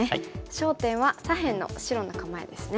焦点は左辺の白の構えですね。